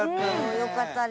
よかったね。